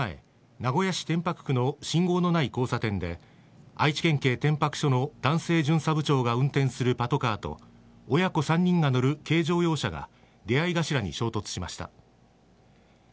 きのう午後６時前、名古屋市天白区の信号のない交差点で、愛知県警天白署の男性巡査部長が運転するパトカーと、親子３人が乗る軽乗用車が出会い頭に衝突しました。